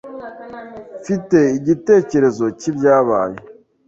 Mfite igitekerezo cyibyabaye.